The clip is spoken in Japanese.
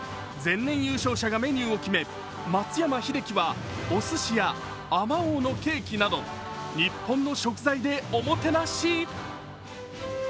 前年優勝者がメニューを決め、松山英樹はお寿司やあまおうのケーキなど日本の食材でおもてなし。